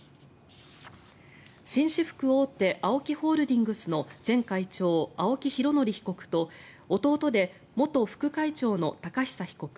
紳士服大手ＡＯＫＩホールディングスの前会長・青木拡憲被告と弟で元副会長の寶久被告